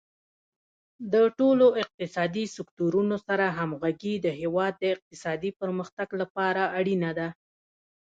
د ټولو اقتصادي سکتورونو سره همغږي د هیواد د اقتصادي پرمختګ لپاره اړینه ده.